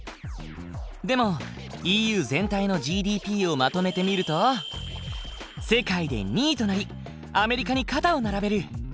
でもＥＵ全体のＧＤＰをまとめてみると世界で２位となりアメリカに肩を並べる！